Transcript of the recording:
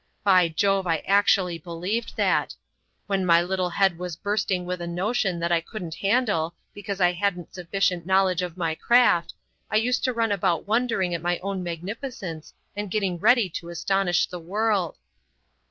By Jove, I actually believed that! When my little head was bursting with a notion that I couldn't handle because I hadn't sufficient knowledge of my craft, I used to run about wondering at my own magnificence and getting ready to astonish the world."